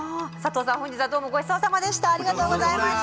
本日はどうもごちそうさまでした。